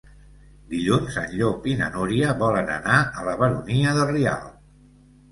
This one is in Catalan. Dilluns en Llop i na Núria volen anar a la Baronia de Rialb.